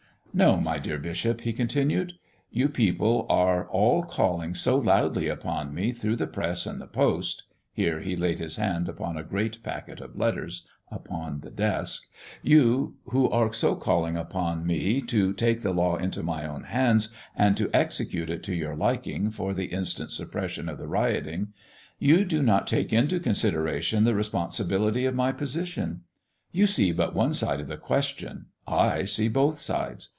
No, my dear bishop," he continued, "you people who are all calling so loudly upon me through the press and the post" here he laid his hand upon a great packet of letters upon the desk "you who are so calling upon me to take the law into my own hands and to execute it to your liking for the instant suppression of the rioting you do not take into consideration the responsibility of my position. You see but one side of the question; I see both sides.